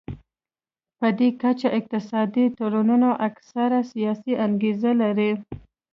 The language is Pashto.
پدې کچه اقتصادي تړونونه اکثره سیاسي انګیزه لري